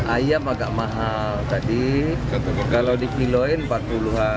ayam agak mahal tadi kalau di kiloin rp empat puluh